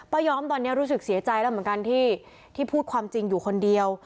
ยอมตอนนี้รู้สึกเสียใจแล้วเหมือนกันที่พูดความจริงอยู่คนเดียว